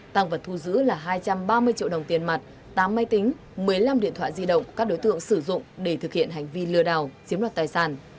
tăng vật thu giữ là hai trăm ba mươi triệu đồng tiền mặt tám máy tính một mươi năm điện thoại di động các đối tượng sử dụng để thực hiện hành vi lừa đảo chiếm đoạt tài sản